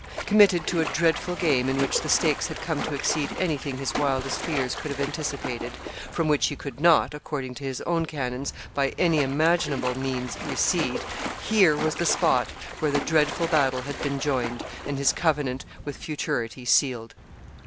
Committed to a dreadful game, in which the stakes had come to exceed anything his wildest fears could have anticipated, from which he could not, according to his own canons, by any imaginable means recede here was the spot where the dreadful battle had been joined, and his covenant with futurity sealed.